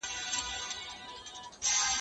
سړي وویل کالیو ته مي ګوره